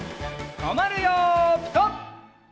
とまるよピタ！